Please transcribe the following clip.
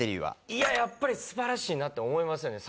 いややっぱり素晴らしいなって思いますよね。